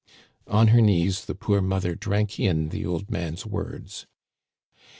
'On her knees the poor mother drank in the old man's words.